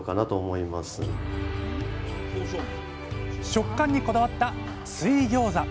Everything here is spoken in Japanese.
食感にこだわった水ギョーザ。